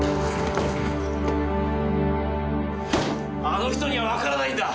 あの人にはわからないんだ！